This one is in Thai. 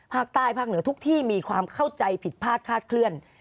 ภาคเหนือทุกที่มีความเข้าใจผิดพลาดคาดเคลื่อน